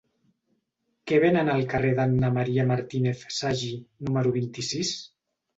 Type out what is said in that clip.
Què venen al carrer d'Anna M. Martínez Sagi número vint-i-sis?